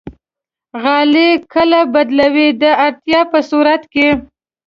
غالۍ کله بدلوئ؟ د اړتیا په صورت کې